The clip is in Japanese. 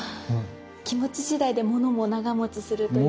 気持ち次第でものも長もちするというか。